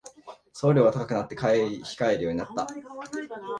送料が高くなって買い控えるようになった